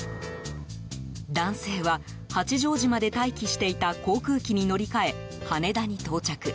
男性は八丈島で待機していた航空機に乗り換え、羽田に到着。